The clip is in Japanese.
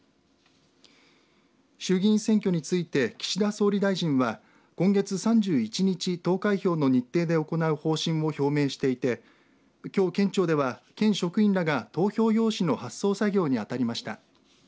衆議院選挙について岸田総理大臣は今月３１日、投開票の日程で行う方針を表明していてきょう県庁では県職員らが投票用紙の発送作業にあたりました。